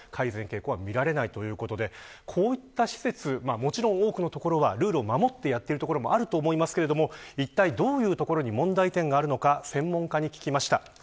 もちろん多くのところがルールを守ってやっていると思いますがいったいどういうところに問題点があるのか専門家に聞きました。